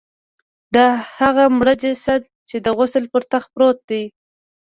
د هغه مړه جسد چې د غسل پر تخت پروت دی.